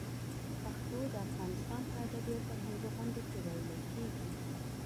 پښتو د افغانستان په ادبي او فرهنګي غونډو کې ویلې کېږي.